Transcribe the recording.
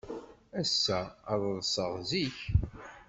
Ass-a, ad ḍḍseɣ zik.